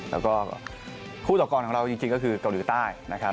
แล้วก็คู่ต่อกรของเราจริงก็คือเกาหลีใต้นะครับ